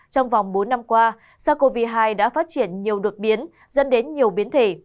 trong vòng bốn năm qua sars cov hai đã phát triển nhiều đột biến dẫn đến nhiều biến thể